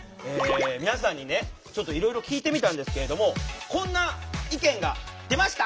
皆さんにねちょっといろいろ聞いてみたんですけれどもこんな意見が出ました！